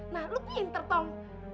nah lu pinter tong